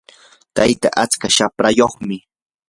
tayta atska shaprayuqmi.